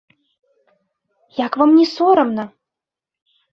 Як вам не сорамна?